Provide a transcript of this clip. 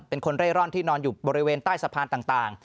เป็นคนเร่ร่อนที่นอนอยู่บริเวณใต้สะพานต่าง